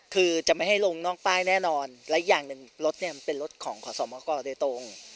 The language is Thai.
คือจะไม่ให้ลงนอกป้ายแน่นอนและอีกอย่างหนึ่งรถเนี่ยมันเป็นรถของขอสมกรโดยตรง